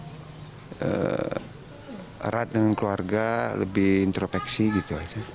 jadi erat dengan keluarga lebih intropeksi gitu aja